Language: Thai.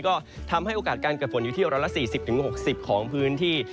ก็ทำให้โอกาสการเกิดฝนอยู่ที่๑๔๐๖๐ของพื้นที่